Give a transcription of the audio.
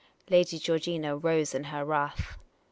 Lady Georgina rose in her wrath.